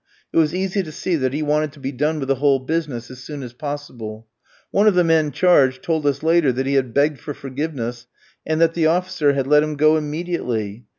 It was easy to see that he wanted to be done with the whole business as soon as possible. One of the men charged told us later that he had begged for forgiveness, and that the officer had let him go immediately.